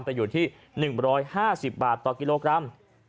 ไปอยู่ที่๑๕๐บาทต่อกิโลกรัม